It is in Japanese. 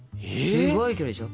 すごい距離でしょ。